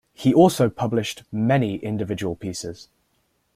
He also published many individual pieces.